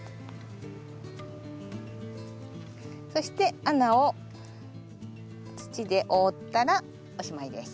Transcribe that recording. そして穴を土で覆ったらおしまいです。